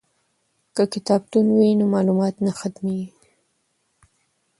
که کتابتون وي نو معلومات نه ختمیږي.